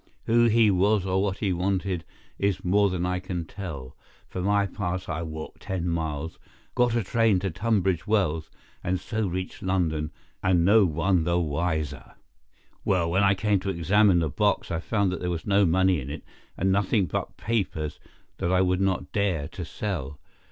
Who he was or what he wanted is more than I can tell. For my part I walked ten miles, got a train at Tunbridge Wells, and so reached London, and no one the wiser. "Well, when I came to examine the box I found there was no money in it, and nothing but papers that I would not dare to sell.